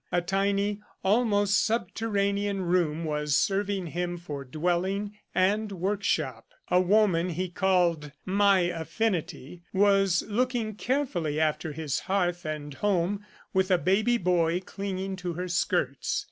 A tiny, almost subterranean room was serving him for dwelling and workshop. A woman he called "my affinity" was looking carefully after his hearth and home, with a baby boy clinging to her skirts.